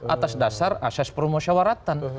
atas dasar asas promosiawaratan